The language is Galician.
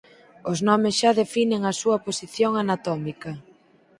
Os nomes xa definen a súa posición anatómica.